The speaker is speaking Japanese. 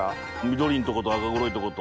緑んとこと赤黒いとこと。